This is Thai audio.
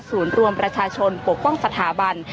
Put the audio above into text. รวมประชาชนปกป้องสถาบัน